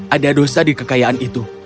ada dosa di kekayaan itu